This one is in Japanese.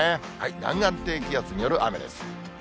南岸低気圧による雨です。